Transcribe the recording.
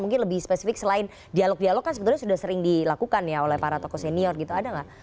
mungkin lebih spesifik selain dialog dialog kan sebetulnya sudah sering dilakukan ya oleh para tokoh senior gitu ada nggak